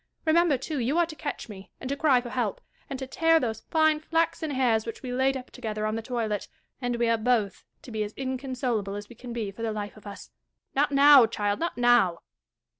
Remember, too, you are to catch me, and to cry for help, and to tear those fine flaxen hairs which we laid up together on the toilet ; and we are both to be as inconsolable as we can be for the life of us. Not now, child, not now.